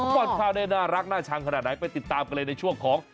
ป้อนข้าวได้น่ารักน่าชังขนาดไหนไปติดตามกันเลยในช่วงของ